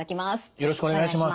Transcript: よろしくお願いします。